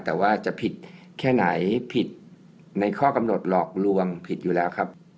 แต่ว่าจะผิดแค่ไหนผิดในข้อกำหนดหลอกลวงผิดอยู่แล้วครับ